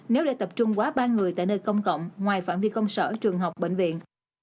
nếu để tập trung quá ba người tại nơi công cộng ngoài phạm vi công sở trường học bệnh viện